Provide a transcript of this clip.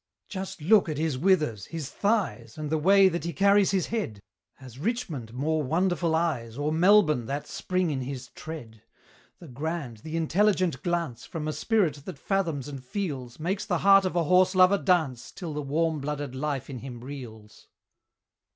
Just look at his withers, his thighs! And the way that he carries his head! Has Richmond more wonderful eyes, Or Melbourne that spring in his tread? The grand, the intelligent glance From a spirit that fathoms and feels, Makes the heart of a horse lover dance Till the warm blooded life in him reels.